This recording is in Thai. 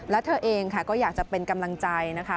และเธอเองค่ะก็อยากจะเป็นกำลังใจนะคะ